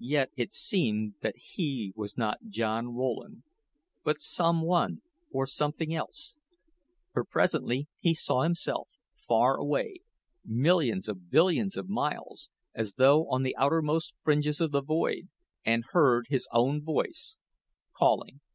Yet it seemed that he was not John Rowland, but some one, or something else; for presently he saw himself, far away millions of billions of miles; as though on the outermost fringes of the void and heard his own voice, calling.